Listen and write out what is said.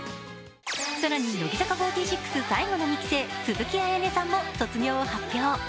更に乃木坂４６最後の２期生、鈴木絢音さんも卒業を発表。